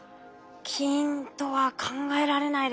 金とは考えられないですね。